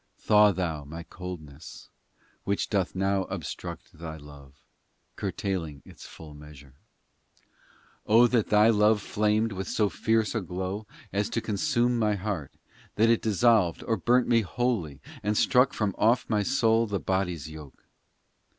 Thaw Thou my coldness, Which doth now obstruct Thy love, Curtailing its full measure ! xv O that Thy love flamed with so fierce a glow As to consume my heart ! That it dissolved Or burnt me wholly And struck from off my soul the body s yoke